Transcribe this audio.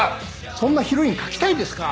そんなヒロイン書きたいですか？